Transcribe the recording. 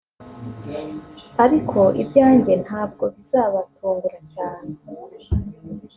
ariko ibyanjye ntabwo bizabatungura cyane